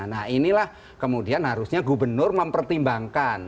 nah inilah kemudian harusnya gubernur mempertimbangkan